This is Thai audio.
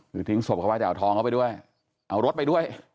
คือทิ้งศพเขาไว้จะเอาทองเข้าไปด้วยเอารถไปด้วย